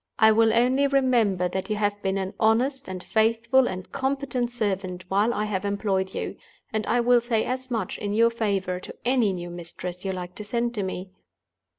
I will only remember that you have been an honest and faithful and competent servant while I have employed you; and I will say as much in your favor to any new mistress you like to send to me."